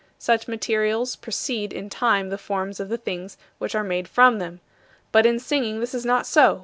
Such materials precede in time the forms of the things which are made from them. But in singing this is not so.